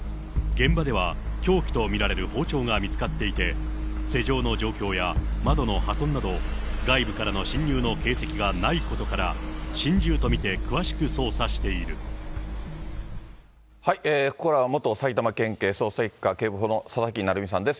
現場では凶器と見られる包丁が見つかっていて、施錠の状況や窓の破損など、外部からの侵入の形跡がないことから、ここからは、元埼玉県警捜査１課警部補の佐々木成三さんです。